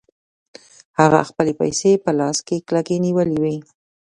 هغه خپلې پيسې په لاس کې کلکې نيولې وې.